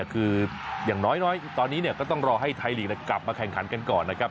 คืออย่างน้อยตอนนี้ก็ต้องรอให้ไทยลีกกลับมาแข่งขันกันก่อนนะครับ